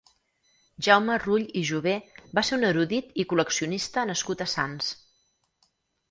Jaume Rull i Jové va ser un erudit i col·leccionista nascut a Sants.